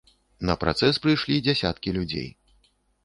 На працэс прыйшлі дзясяткі людзей.